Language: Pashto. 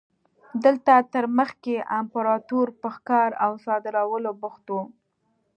دلته تر مخکې امپراتور په ښکار او صادرولو بوخت و.